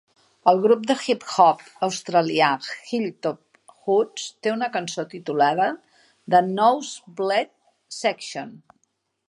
El grup de hip-hop australià Hilltop Hoods té una cançó titulada "The Nosebleed Section".